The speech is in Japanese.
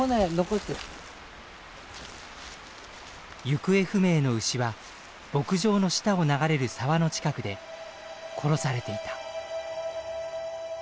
行方不明の牛は牧場の下を流れる沢の近くで殺されていた。